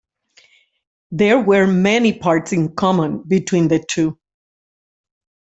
There were many parts in common between the two.